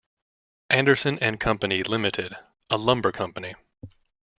Anderson and Company Limited, a lumber company.